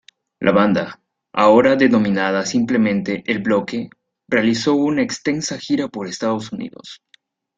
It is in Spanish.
La banda, ahora denominada simplemente "El Bloque", realizó una extensa gira por Estados Unidos.